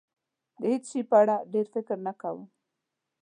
د هېڅ شي په اړه ډېر فکر نه کوم.